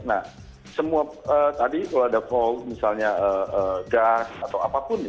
nah semua tadi kalau ada fall misalnya gas atau apapun ya